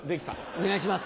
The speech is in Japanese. お願いします